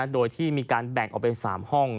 โดยที่มีการแบ่งออกเป็น๓ห้อง